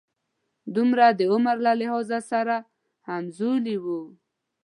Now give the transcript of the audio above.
دواړه د عمر له لحاظه سره همزولي وو.